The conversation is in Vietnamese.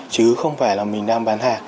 chứ không phải là mình đang bán hàng